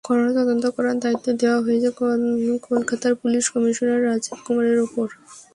ঘটনা তদন্ত করার দায়িত্ব দেওয়া হয়েছে কলকাতার পুলিশ কমিশনার রাজীব কুমারের ওপর।